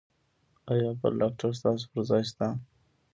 ایا بل ډاکټر ستاسو پر ځای شته؟